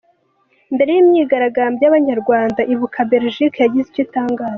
Mbere y’imyigaragamyo y’Abanyarwanda, Ibuka-Belgique yagize icyo itangaza